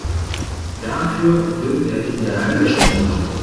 Dafür wird er in der Hölle schmoren.